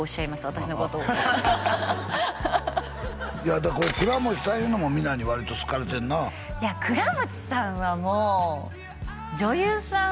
私のことをこの倉持さんいうのもみんなに割と好かれてんなあいや倉持さんはもう女優さん